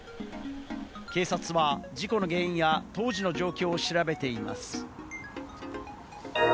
警察は事故の原因や当時の状況を調べています。